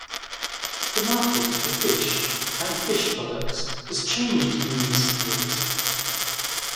The market for fish and fish products has changed in recent years.